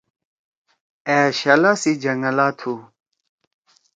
أ شلا سی جنگلا تُھو۔